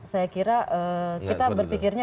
saya kira kita berpikirnya